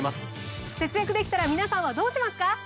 節約できたら皆さんはどうしますか？